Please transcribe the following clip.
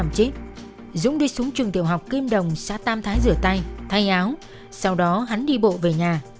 để mặc cô bé nằm chít dũng đi xuống trường tiểu học kim đồng xá tam thái rửa tay thay áo sau đó hắn đi bộ về nhà